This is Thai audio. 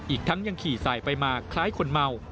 อีกทั้งยังขี่สายไปมาคล้ายคนเมา